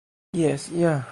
Jes ja...